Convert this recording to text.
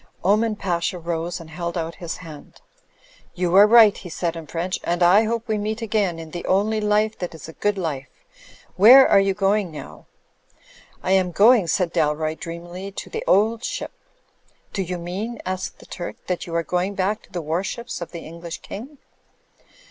Oman Pasha rose and held out his hand. "You are right/' he said in French, "and I hope we meet again in the only life that is a good life. Where are you going now?" "I am going," said Dalroy, dreamily, "to The Old Ship/ " "Do you mean?" asked the Turk, "that you are going back to the warships of the English King?"